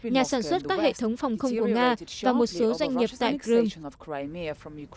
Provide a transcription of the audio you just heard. nhà sản xuất các hệ thống phòng không của nga và một số doanh nghiệp tại crimea